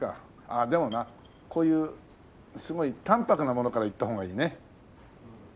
あでもなこういうすごい淡泊なものからいった方がいいね。